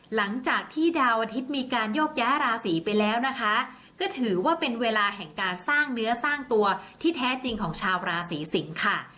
หลังจากที่ดาวอาทิตย์มีการโยกย้ายราศีไปแล้วนะคะก็ถือว่าเป็นเวลาแห่งการสร้างเนื้อสร้างตัวที่แท้จริงของชาวราศีสิงค่ะ